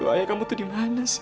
ayah kamu tuh di mana sih